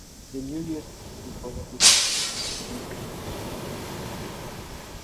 The New Year festival probably included the spring equinox.